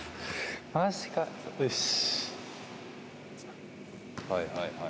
マジかよし。